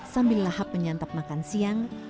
sambil lahap menyantap makan siang